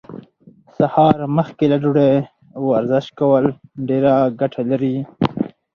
سهار مخکې له ډوډۍ ورزش کول ډيره ګټه لري.